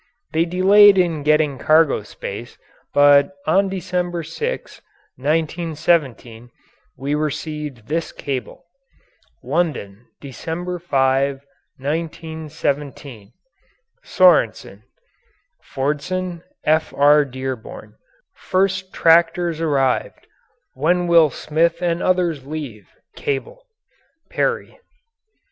They delayed in getting cargo space, but on December 6, 1917, we received this cable: London, December 5, 1917. SORENSEN, Fordson, F. R. Dearborn. First tractors arrived, when will Smith and others leave? Cable. PERRY.